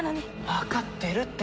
わかってるって。